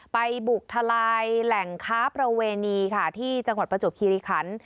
ไปบุกทลายแหล่งค้าประเวณีค่ะที่จังหวัดประจวบคิริคัน